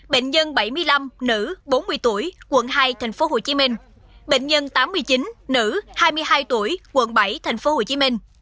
bệnh nhân bảy mươi năm nữ bốn mươi tuổi quận hai tp hcm bệnh nhân tám mươi chín nữ hai mươi hai tuổi quận bảy tp hcm